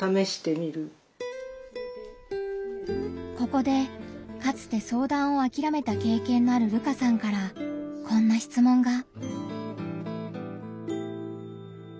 ここでかつて相談をあきらめた経験のある瑠花さんからこんな質問が。